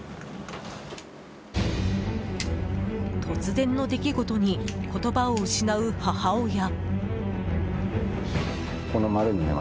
突然の出来事に言葉を失う母親。